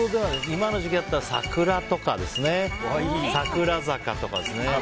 今の時期だったら「桜坂」とかですね。